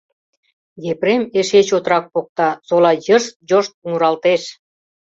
Епрем эше чотрак покта, сола йышт-йошт муралтеш.